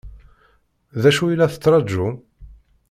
D acu i la tettṛaǧum?